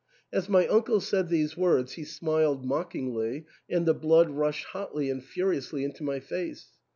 As my uncle said these words he smiled mockingly, and the blood rushed hotly and furiously into my face.